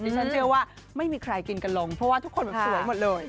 ฉันเชื่อว่าไม่มีใครกินกันลงเพราะว่าทุกคนแบบสวยหมดเลย